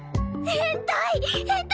変態！